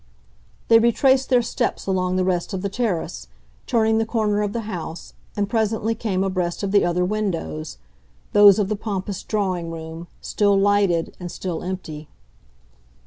They retraced their steps along the rest of the terrace, turning the corner of the house, and presently came abreast of the other windows, those of the pompous drawing room, still lighted and still empty.